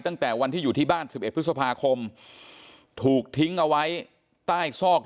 ตั้งแต่วันที่อยู่ที่บ้าน๑๑พฤษภาคมถูกทิ้งเอาไว้ใต้ซอก